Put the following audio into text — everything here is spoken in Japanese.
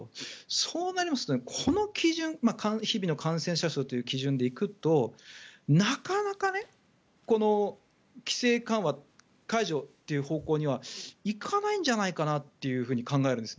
そうなりますとこの基準、日々の感染者数という基準でいくとなかなか、規制緩和解除という方向には行かないんじゃないかなっていうふうに考えるんです。